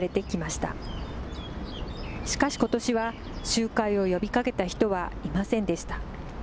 しかしことしは、集会を呼びかけた人はいませんでした。